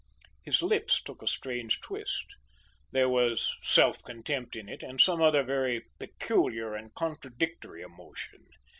His lips took a strange twist. There was self contempt in it, and some other very peculiar and contradictory emotion.